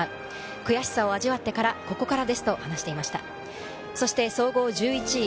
悔しさを味わってから、ここからですと話していました。